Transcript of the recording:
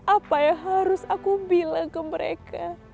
apa yang harus aku bilang ke mereka